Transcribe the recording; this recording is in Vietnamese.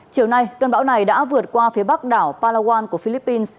chiều nay cơn bão này đã vượt qua phía bắc đảo palawan của philippines